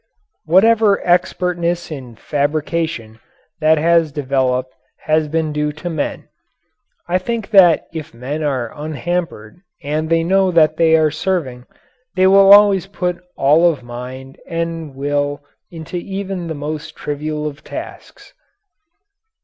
Whatever expertness in fabrication that has developed has been due to men. I think that if men are unhampered and they know that they are serving, they will always put all of mind and will into even the most trivial of tasks.